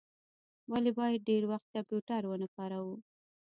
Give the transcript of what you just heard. ولي باید ډیر وخت کمپیوټر و نه کاروو؟